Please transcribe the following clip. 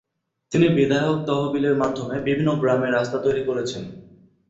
তিনি বিধায়ক তহবিলের মাধ্যমে বিভিন্ন গ্রামে রাস্তা তৈরি করেছেন।